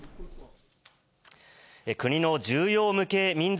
国の重要無形民俗